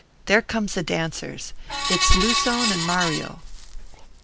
There comes the dancers. It's Luzon and Mario."